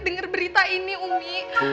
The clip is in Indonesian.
denger berita ini umi